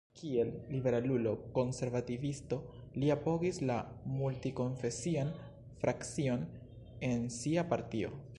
Kiel liberalulo-konservativisto li apogis la multi-konfesian frakcion en sia partio.